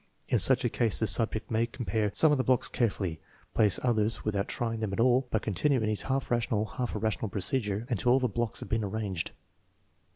In such a case the subject may compare some of the blocks carefully, place others with out trying them at all, but continue in his half rational, half irrational procedure until all the blocks have been arranged.